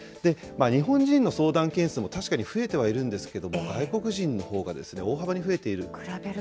日本人の相談件数も確かに増えてはいるんですけれども、外国人のほうが大幅に増えている。